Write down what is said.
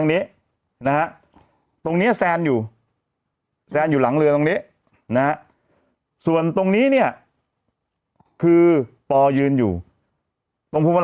อ่าอ่าอ่าอ่าอ่าอ่าอ่าอ่าอ่าอ่าอ่าอ่าอ่าอ่าอ่า